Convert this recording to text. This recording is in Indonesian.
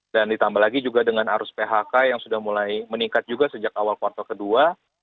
dan ditambah lagi juga dengan arus phk yang sudah mulai meningkat juga sejak awal kuartal kedua